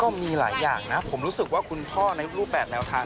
มีหลายอย่างนะผมรู้สึกว่าคุณพ่อในรูป๘แนวทาง